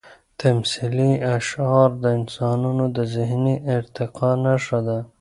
تمثیلي اشعار د انسانانو د ذهني ارتقا نښه ده.